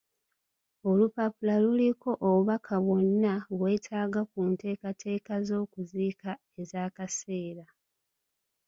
Olupapula luliko obubaka bw'onna bwe weetaaga ku nteekateeka z'okuziika ez'akaseera.